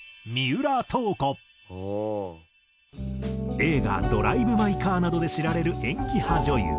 映画『ドライブ・マイ・カー』などで知られる演技派女優。